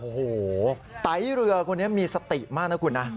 โอ้โหไตเรือคนนี้มีสติมากนะคุณนะ